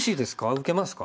受けますか？